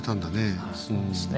そうですね。